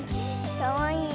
かわいいよ。